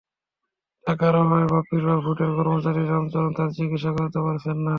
টাকার অভাবে বাপ্পির বাবা হোটেল কর্মচারী রামচরণ তাঁর চিকিৎসা করাতে পারছেন না।